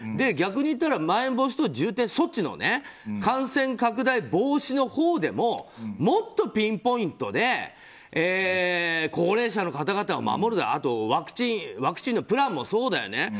逆に言ったらまん延防止等重点措置の感染拡大防止のほうでももっとピンポイントで高齢者の方々を守るだとかあとワクチンのプランもそうだよね。